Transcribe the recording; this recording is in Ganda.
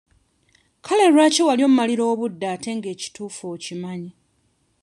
Kale lwaki wali ommalira obudde ate nga ekituufu okimanyi?